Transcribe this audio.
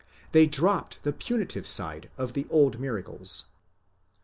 they dropped the punitive side of the old miracles.